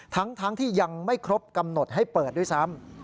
ทั้งที่ยังไม่ครบกำหนดให้เปิดด้วยซ้ำ